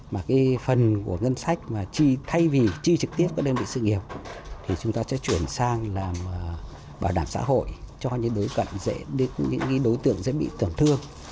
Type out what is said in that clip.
mà phần của ngân sách mà thay vì chi trực tiếp các đơn vị sự nghiệp thì chúng ta sẽ chuyển sang làm bảo đảm xã hội cho những đối cận những đối tượng sẽ bị tưởng thương